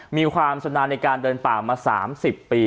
มีความสนามในการเดินป่ามาสามสิบปี